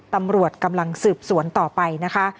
ตำรวจกำลังสืบสวนต่อไปนะคะ